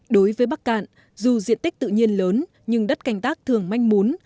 đối với bắc cạn dù diện tích tự nhiên lớn nhưng đất canh tác thường manh mún